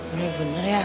ini bener ya